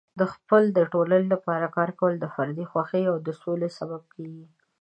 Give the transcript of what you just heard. د خپلې ټولنې لپاره کار کول د فردي خوښۍ او د سولې سبب کیږي.